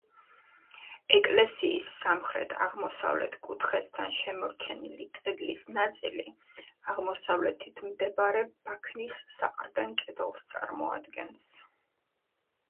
ეკლესიის სამხრეთ-აღმოსავლეთ კუთხესთან შემორჩენილი კედლის ნაწილი აღმოსავლეთით მდებარე ბაქნის საყრდენ კედელს წარმოადგენს.